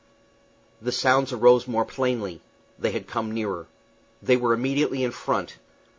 The sounds arose more plainly. They had come nearer. They were immediately in front.